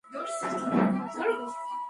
যাও, বাবু মজা করো।